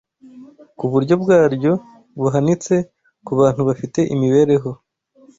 ku buryo bwaryo buhanitse ku bantu bafite imibereho